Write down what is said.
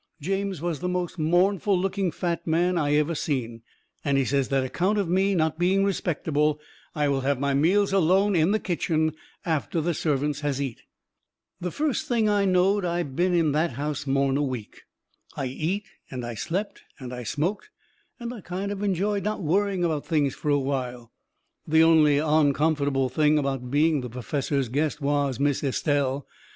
James was the most mournful looking fat man I ever seen, and he says that account of me not being respectable I will have my meals alone in the kitchen after the servants has eat. The first thing I knowed I been in that house more'n a week. I eat and I slept and I smoked and I kind of enjoyed not worrying about things fur a while. The only oncomfortable thing about being the perfessor's guest was Miss Estelle.